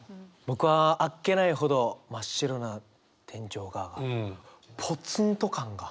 僕は「あっけないほど真っ白な天井が」がポツンと感が。